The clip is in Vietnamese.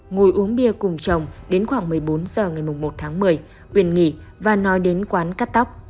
ngồi uống bia cùng chồng đến khoảng một mươi bốn h ngày một tháng một mươi